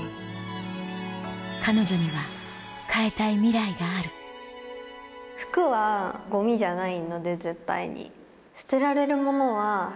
彼女には変えたいミライがある服はゴミじゃないので絶対に。